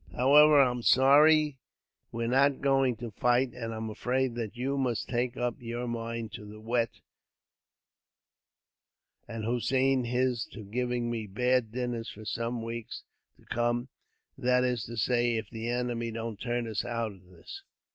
However, I'm sorry we're not going to fight, and I'm afraid that you must make up your mind to the wet, and Hossein his to giving me bad dinners for some weeks to come; that is to say, if the enemy don't turn us out of this."